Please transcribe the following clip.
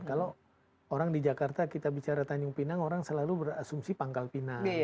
kalau orang di jakarta kita bicara tanjung pinang orang selalu berasumsi pangkal pinang